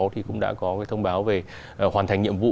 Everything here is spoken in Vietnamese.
thì cũng đã có cái thông báo về hoàn thành nhiệm vụ